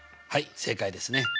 はい正解ですね。